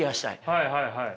はいはいはい。